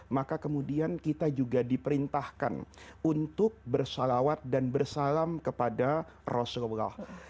maka kemudian kita juga diperintahkan untuk bersalawat dan bersalam kepada rasulullah